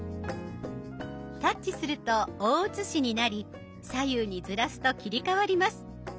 タッチすると大写しになり左右にずらすと切り替わります。